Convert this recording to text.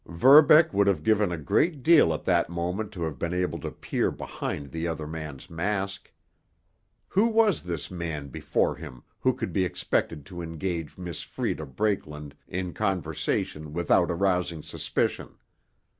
Verbeck would have given a great deal at that moment to have been able to peer behind the other man's mask. Who was this man before him who could be expected to engage Miss Freda Brakeland in conversation without arousing suspicion?